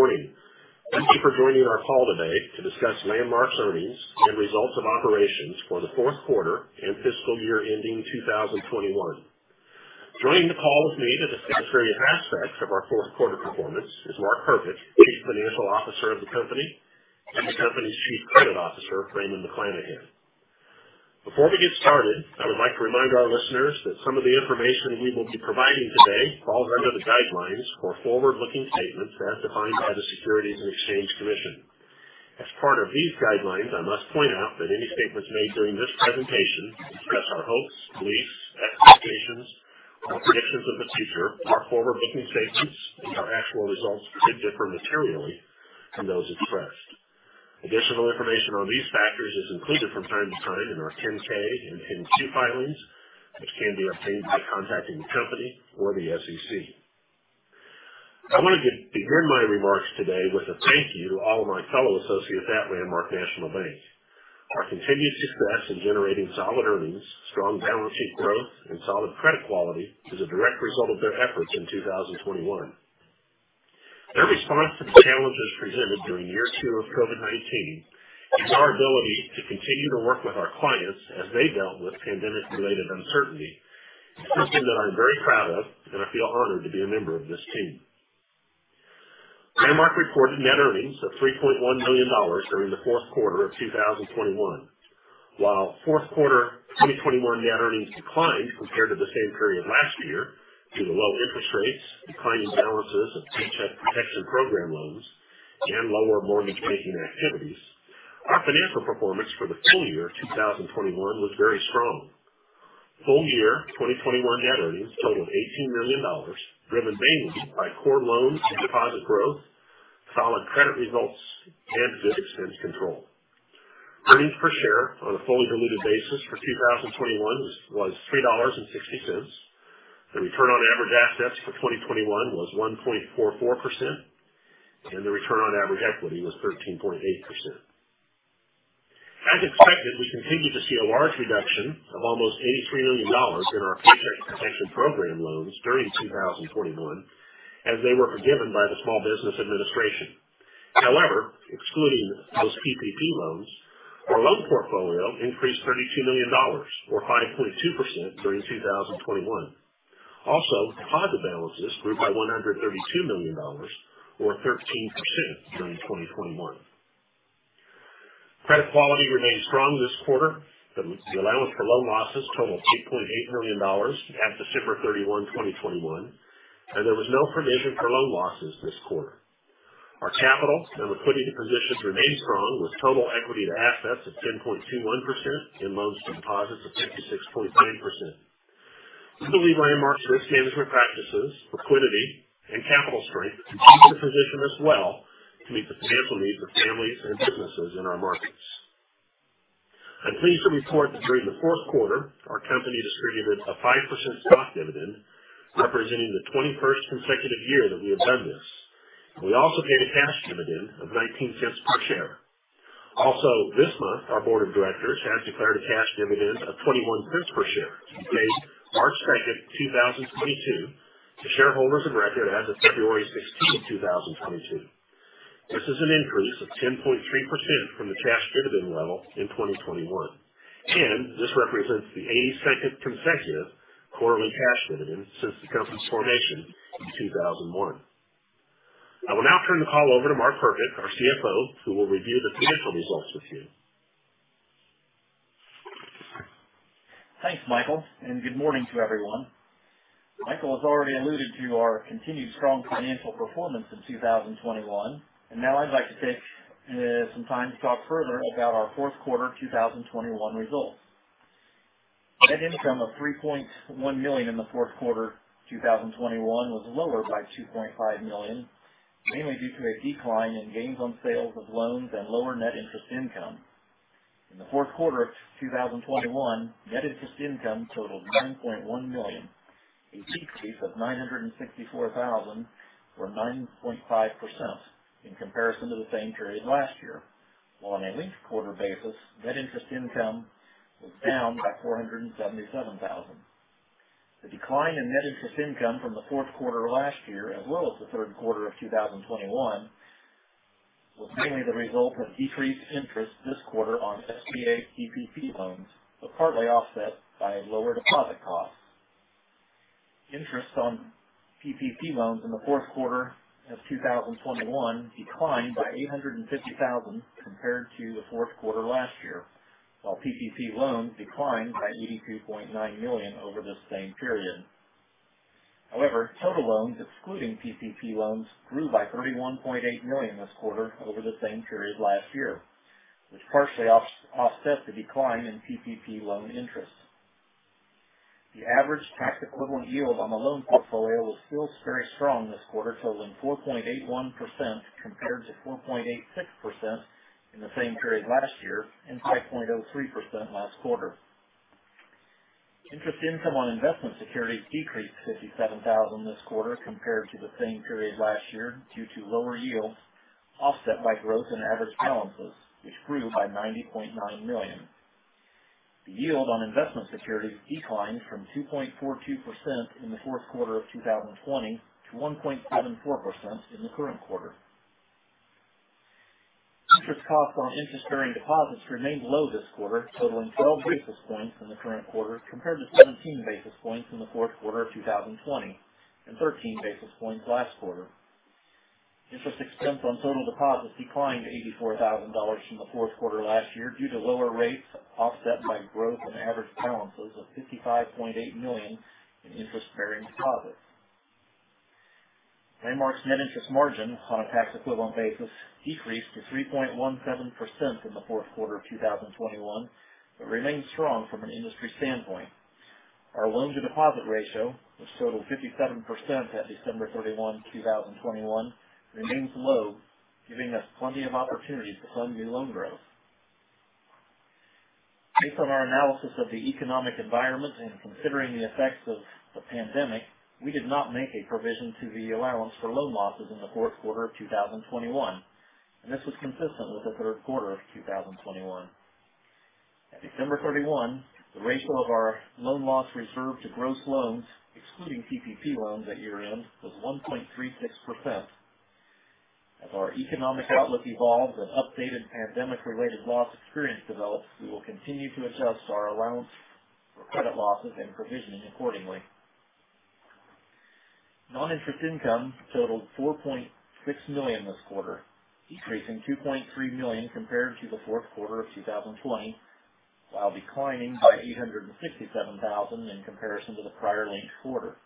Good morning. Thank you for joining our call today to discuss Landmark's earnings and results of operations for the fourth quarter and fiscal year ending 2021. Joining the call with me to discuss various aspects of our fourth quarter performance is Mark Herpich, Chief Financial Officer of the company, and the company's Chief Credit Officer, Raymond McLanahan. Before we get started, I would like to remind our listeners that some of the information we will be providing today falls under the guidelines for forward-looking statements as defined by the Securities and Exchange Commission. As part of these guidelines, I must point out that any statements made during this presentation express our hopes, beliefs, expectations, or predictions of the future are forward-looking statements, and our actual results could differ materially from those expressed. Additional information on these factors is included from time to time in our 10-K and 10-Q filings, which can be obtained by contacting the company or the SEC. I wanted to begin my remarks today with a thank you to all of my fellow associates at Landmark National Bank. Our continued success in generating solid earnings, strong balance sheet growth, and solid credit quality is a direct result of their efforts in 2021. Their response to the challenges presented during year two of COVID-19 and our ability to continue to work with our clients as they dealt with pandemic-related uncertainty is something that I'm very proud of, and I feel honored to be a member of this team. Landmark reported net earnings of $3.1 million during the fourth quarter of 2021. While fourth quarter 2021 net earnings declined compared to the same period last year due to low interest rates, declining balances of Paycheck Protection Program loans, and lower mortgage banking activities, our financial performance for the full- year 2021 was very strong. Full- year 2021 net earnings totaled $18 million, driven mainly by core loan and deposit growth, solid credit results, and good expense control. Earnings per share on a fully diluted basis for 2021 was $3.60. The return on average assets for 2021 was 1.44%, and the return on average equity was 13.8%. As expected, we continued to see a large reduction of almost $83 million in our Paycheck Protection Program loans during 2021, as they were forgiven by the Small Business Administration. However, excluding those PPP loans, our loan portfolio increased $32 million or 5.2% during 2021. Also, deposit balances grew by $132 million or 13% during 2021. Credit quality remained strong this quarter. The allowance for loan losses totaled $2.8 million as of December 31, 2021, and there was no provision for loan losses this quarter. Our capital and liquidity positions remain strong, with total equity to assets of 10.21% and loans to deposits of 56.9%. This delivers Landmark's risk management practices, liquidity, and capital strength to keep us positioned as well to meet the financial needs of families and businesses in our markets. I'm pleased to report that during the fourth quarter, our company distributed a 5% stock dividend, representing the 21st consecutive year that we have done this. We also paid a cash dividend of $0.19 per share. This month our board of directors has declared a cash dividend of $0.21 per share to be paid March 2, 2022 to shareholders of record as of February 16, 2022. This is an increase of 10.3% from the cash dividend level in 2021, and this represents the 82nd consecutive quarterly cash dividend since the company's formation in 2001. I will now turn the call over to Mark Herpich, our CFO, who will review the financial results with you. Thanks, Michael, and good morning to everyone. Michael has already alluded to our continued strong financial performance in 2021. Now I'd like to take some time to talk further about our fourth quarter 2021 results. Net income of $3.1 million in the fourth quarter 2021 was lower by $2.5 million, mainly due to a decline in gains on sales of loans and lower net interest income. In the fourth quarter of 2021, net interest income totaled $9.1 million, a decrease of $964,000 or 9.5% in comparison to the same period last year. While on a linked quarter basis, net interest income was down by $477,000. The decline in net interest income from the fourth quarter of last year, as well as the third quarter of 2021, was mainly the result of decreased interest this quarter on SBA PPP loans, but partly offset by lower deposit costs. Interest on PPP loans in the fourth quarter of 2021 declined by $850,000 compared to the fourth quarter last year, while PPP loans declined by $83.9 million over the same period. However, total loans excluding PPP loans grew by $31.8 million this quarter over the same period last year, which partially offset the decline in PPP loan interest. The average tax equivalent yield on the loan portfolio was still very strong this quarter, totaling 4.81% compared to 4.86% in the same period last year and 5.03% last quarter. Interest income on investment securities decreased $57,000 this quarter compared to the same period last year due to lower yields offset by growth in average balances, which grew by $90.9 million. The yield on investment securities declined from 2.42% in the fourth quarter of 2020 to 1.74% in the current quarter. Interest costs on interest-bearing deposits remained low this quarter, totaling 12 basis points in the current quarter compared to 17 basis points in the fourth quarter of 2020 and 13 basis points last quarter. Interest expense on total deposits declined to $84,000 from the fourth quarter last year due to lower rates offset by growth in average balances of $55.8 million in interest-bearing deposits. Landmark's net interest margin on a tax equivalent basis decreased to 3.17% in the fourth quarter of 2021, but remains strong from an industry standpoint. Our loan to deposit ratio, which totaled 57% at December 31, 2021, remains low, giving us plenty of opportunities to fund new loan growth. Based on our analysis of the economic environment and considering the effects of the pandemic, we did not make a provision to the allowance for loan losses in the fourth quarter of 2021, and this was consistent with the third quarter of 2021. At December 31, the ratio of our loan loss reserve to gross loans, excluding PPP loans at year-end, was 1.36%. As our economic outlook evolves and updated pandemic related loss experience develops, we will continue to adjust our allowance for credit losses and provisioning accordingly. Non-interest income totaled $4.6 million this quarter, decreasing $2.3 million compared to the fourth quarter of 2020, while declining by $867,000 in comparison to the prior linked quarter.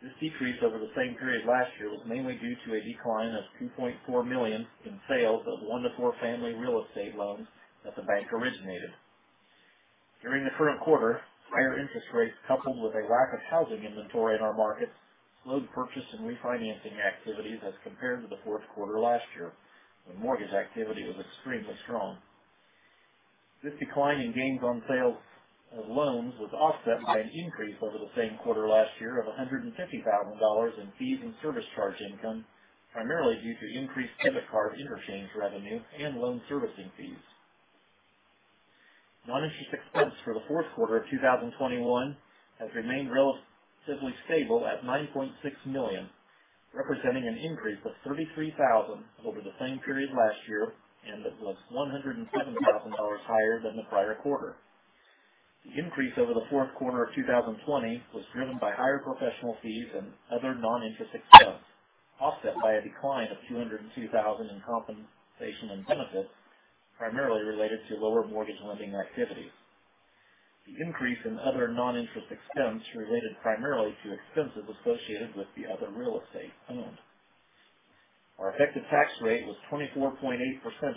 This decrease over the same period last year was mainly due to a decline of $2.4 million in sales of 1-4 family real estate loans that the bank originated. During the current quarter, higher interest rates, coupled with a lack of housing inventory in our markets, slowed purchase and refinancing activities as compared to the fourth quarter last year, when mortgage activity was extremely strong. This decline in gains on sales of loans was offset by an increase over the same quarter last year of $150,000 in fees and service charge income, primarily due to increased debit card interchange revenue and loan servicing fees. Non-interest expense for the fourth quarter of 2021 has remained relatively stable at $9.6 million, representing an increase of $33,000 over the same period last year, and it was $107,000 higher than the prior quarter. The increase over the fourth quarter of 2020 was driven by higher professional fees and other non-interest expense, offset by a decline of $202,000 in compensation and benefits, primarily related to lower mortgage lending activity. The increase in other non-interest expense related primarily to expenses associated with the other real estate owned. Our effective tax rate was 24.8%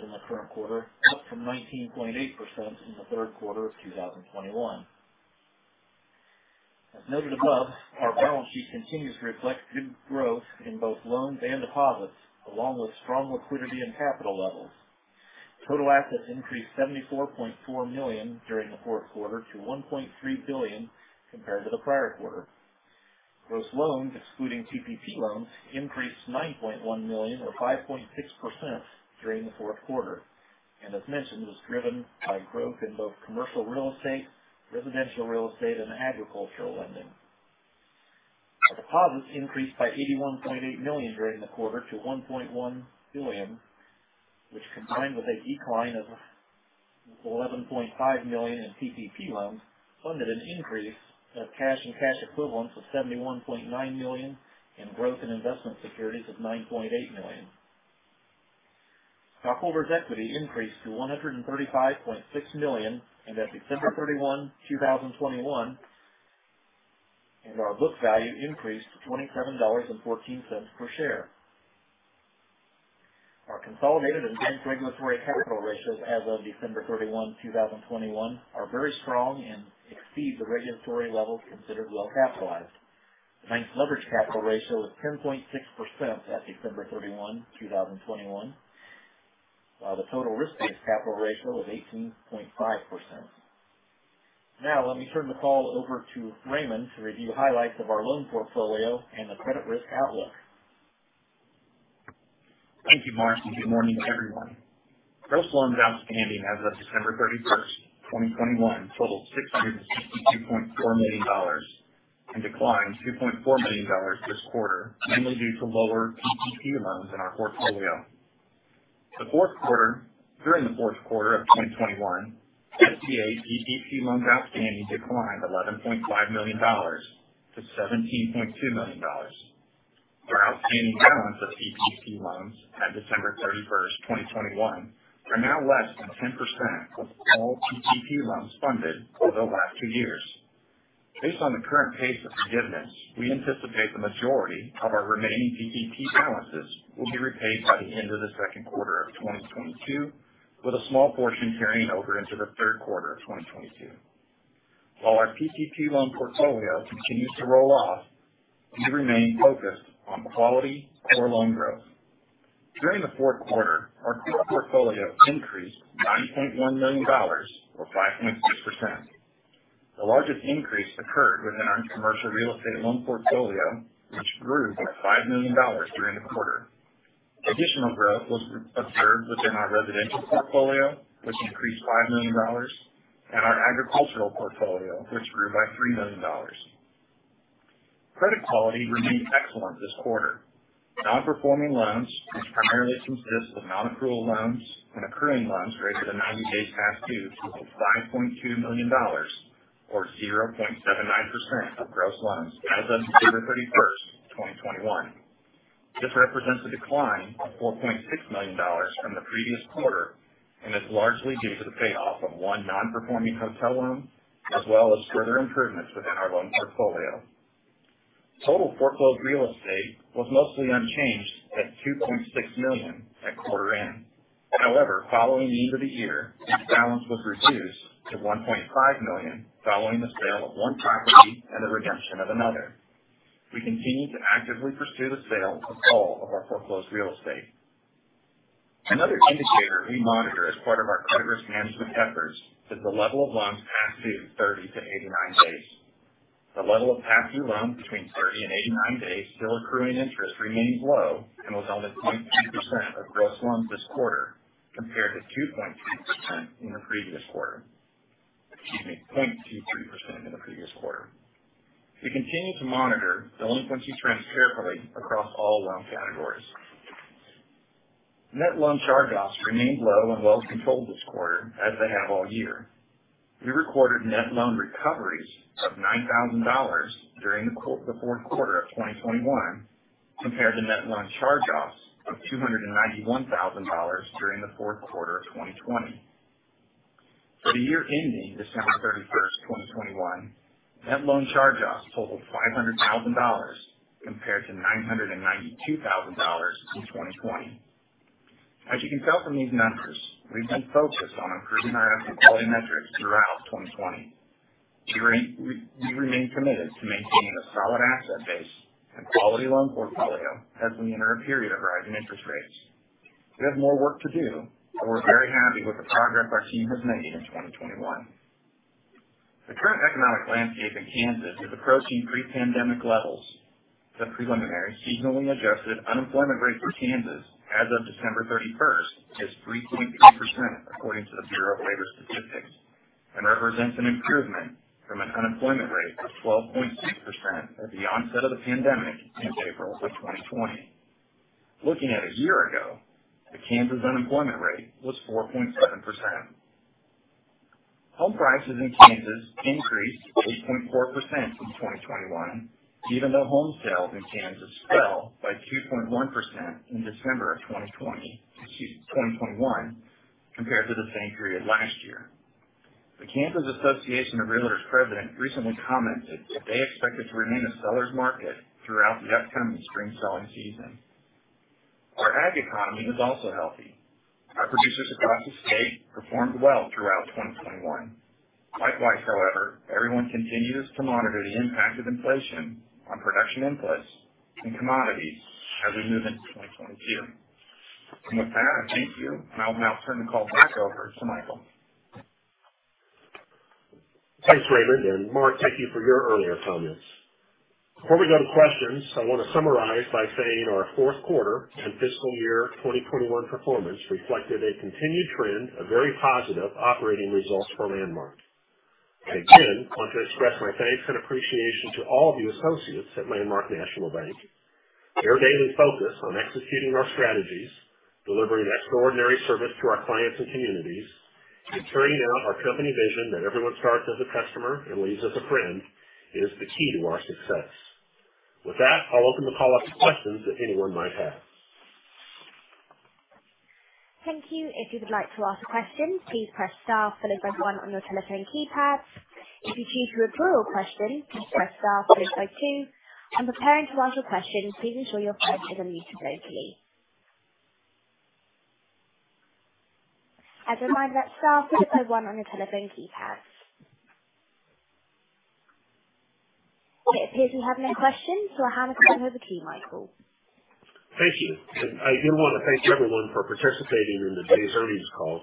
in the current quarter, up from 19.8% in the third quarter of 2021. As noted above, our balance sheet continues to reflect good growth in both loans and deposits, along with strong liquidity and capital levels. Total assets increased $74.4 million during the fourth quarter to $1.3 billion compared to the prior quarter. Gross loans, excluding PPP loans, increased $9.1 million or 5.6% during the fourth quarter, and as mentioned, was driven by growth in both commercial real estate, residential real estate, and agricultural lending. Our deposits increased by $81.8 million during the quarter to $1.1 billion, which combined with a decline of $11.5 million in PPP loans, funded an increase of cash and cash equivalents of $71.9 million and growth in investment securities of $9.8 million. Stockholders' equity increased to $135.6 million at December 31, 2021, and our book value increased to $27.14 per share. Our consolidated and bank regulatory capital ratios as of December 31, 2021, are very strong and exceed the regulatory levels considered well capitalized. The bank's leverage capital ratio was 10.6% at December 31, 2021, while the total risk-based capital ratio was 18.5%. Now let me turn the call over to Raymond to review highlights of our loan portfolio and the credit risk outlook. Thank you, Mark, and good morning, everyone. Gross loans outstanding as of December 31, 2021, totaled $662.4 million and declined $2.4 million this quarter, mainly due to lower PPP loans in our portfolio. During the fourth quarter of 2021, SBA PPP loans outstanding declined $11.5 million to $17.2 million. Our outstanding balance of PPP loans at December 31, 2021, are now less than 10% of all PPP loans funded over the last two years. Based on the current pace of forgiveness, we anticipate the majority of our remaining PPP balances will be repaid by the end of the second quarter of 2022, with a small portion carrying over into the third quarter of 2022. While our PPP loan portfolio continues to roll off, we remain focused on quality core loan growth. During the fourth quarter, our total portfolio increased $9.1 million or 5.6%. The largest increase occurred within our commercial real estate loan portfolio, which grew by $5 million during the quarter. Additional growth was observed within our residential portfolio, which increased $5 million, and our agricultural portfolio, which grew by $3 million. Credit quality remained excellent this quarter. Non-performing loans, which primarily consist of non-accrual loans and accruing loans greater than 90 days past due, totaled $5.2 million or 0.79% of gross loans as of December 31, 2021. This represents a decline of $4.6 million from the previous quarter and is largely due to the payoff of one non-performing hotel loan, as well as further improvements within our loan portfolio. Total foreclosed real estate was mostly unchanged at $2.6 million at quarter end. However, following the end of the year, this balance was reduced to $1.5 million following the sale of one property and the redemption of another. We continue to actively pursue the sale of all of our foreclosed real estate. Another indicator we monitor as part of our credit risk management efforts is the level of loans past due 30-89 days. The level of past due loans between 30 and 89 days still accruing interest remains low and was only 0.2% of gross loans this quarter compared to 2.2% in the previous quarter, excuse me, 0.23% in the previous quarter. We continue to monitor delinquency trends carefully across all loan categories. Net loan charge-offs remained low and well controlled this quarter, as they have all year. We recorded net loan recoveries of $9,000 during the fourth quarter of 2021, compared to net loan charge-offs of $291,000 during the fourth quarter of 2020. For the year ending December 31, 2021, net loan charge-offs totaled $500,000 compared to $992,000 in 2020. As you can tell from these numbers, we've been focused on improving our asset quality metrics throughout 2020. We remain committed to maintaining a solid asset base and quality loan portfolio as we enter a period of rising interest rates. We have more work to do, but we're very happy with the progress our team has made in 2021. The current economic landscape in Kansas is approaching pre-pandemic levels. The preliminary seasonally adjusted unemployment rate for Kansas as of December 31st is 3.2%, according to the Bureau of Labor Statistics, and represents an improvement from an unemployment rate of 12.6% at the onset of the pandemic in April of 2020. Looking at a year ago, the Kansas unemployment rate was 4.7%. Home prices in Kansas increased 8.4% in 2021, even though home sales in Kansas fell by 2.1% in December of 2021 compared to the same period last year. The Kansas Association of REALTORS® president recently commented that they expected to remain a seller's market throughout the upcoming spring selling season. Our ag economy is also healthy. Our producers across the state performed well throughout 2021. Likewise, however, everyone continues to monitor the impact of inflation on production inputs and commodities as we move into 2022. With that, I thank you, and I'll now turn the call back over to Michael. Thanks, Raymond, and Mark, thank you for your earlier comments. Before we go to questions, I want to summarize by saying our fourth quarter and fiscal year 2021 performance reflected a continued trend of very positive operating results for Landmark. I again want to express my thanks and appreciation to all of the associates at Landmark National Bank. Their daily focus on executing our strategies, delivering extraordinary service to our clients and communities, and carrying out our company vision that everyone starts as a customer and leaves as a friend is the key to our success. With that, I'll open the call up to questions that anyone might have. Thank you. If you would like to ask a question, please press star followed by one on your telephone keypad. If you choose to withdraw a question, please press star followed by two. When preparing to ask a question, please ensure your phone is unmuted locally. A reminder, that's star followed by one on your telephone keypad. It appears we have no questions, so I'll hand the call over to you, Michael. Thank you. I do want to thank everyone for participating in today's earnings call.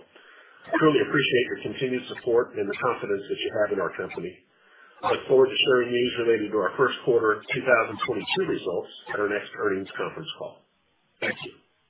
I truly appreciate your continued support and the confidence that you have in our company. I look forward to sharing news related to our first quarter 2022 results at our next earnings conference call. Thank you.